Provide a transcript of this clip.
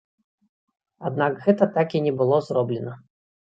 Аднак гэта так і не было зроблена.